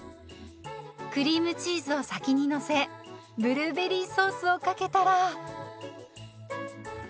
クリームチーズを先にのせブルーベリーソースをかけたら。